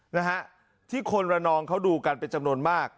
นะฮะที่คนระนองเขาดูกันเป็นจำนวนมาก